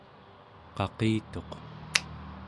qaqituq